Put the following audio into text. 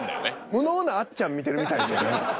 無能なあっちゃん見てるみたいで。